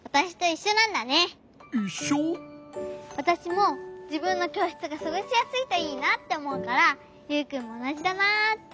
わたしもじぶんのきょうしつがすごしやすいといいなっておもうからユウくんもおなじだなって。